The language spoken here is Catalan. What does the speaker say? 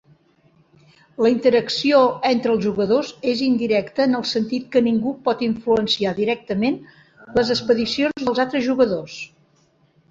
La interacció entre els jugadors és indirecta en el sentit que ningú pot influenciar directament les expedicions dels altres jugadors.